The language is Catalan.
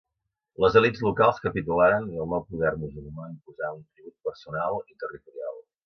Les elits locals capitularen i el nou poder musulmà imposà un tribut personal i territorial.